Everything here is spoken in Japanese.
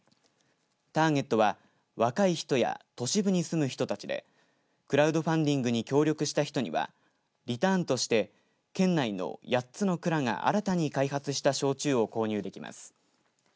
ターゲットは若い人や都市部に住む人たちでクラウドファンディングに協力した人にはリターンとして県内の８つの蔵が新たに開発した焼酎を購入できます。